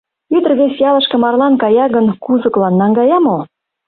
— Ӱдыр вес ялышке марлан кая гын, кузыклан наҥгая мо?